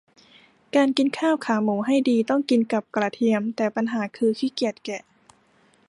การกินข้าวขาหมูให้ดี ต้องกินกับกระเทียม แต่ปัญหาคือ ขี้เกียจแกะ